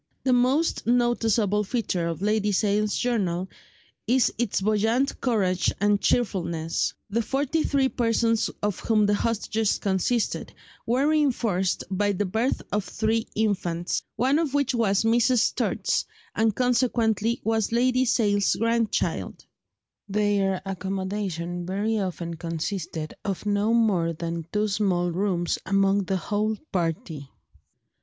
The most noticeable feature of Lady Sale's journal is its buoyant courage and cheerfulness. The forty three persons of whom the hostages consisted were reinforced by the birth of three infants, one of which was Mrs. Sturt's, and consequently was Lady Sale's grandchild. They were eight and a half months in captivity. Their accommodation very often consisted of no more than two small rooms among the whole party.